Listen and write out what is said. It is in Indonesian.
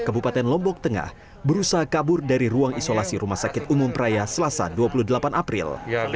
kebupaten lombok tengah berusaha kabur dari ruang isolasi rumah sakit umum peraya selasa dua puluh delapan april